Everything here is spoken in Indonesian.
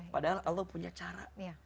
padahal allah punya cara